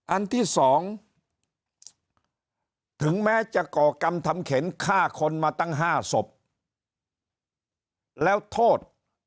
อันที่๒ถึงแม้จะก่อกรรมทำเข็นฆ่าคนมาตั้ง๕ศพแล้วโทษ